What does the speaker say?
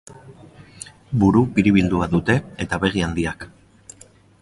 Buru biribildua dute eta begi handiak.